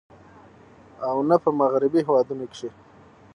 او نۀ په مغربي هېوادونو کښې